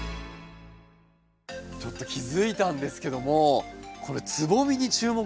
ちょっと気付いたんですけどもつぼみに注目なんですよ。